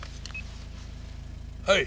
はい。